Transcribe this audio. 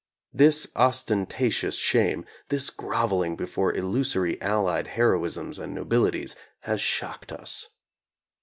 This os tentatious shame, this groveling before illusory Allied heroisms and nobilities, has shocked us.